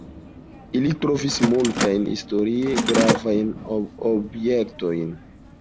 Ili trovis multajn historie gravajn objektojn.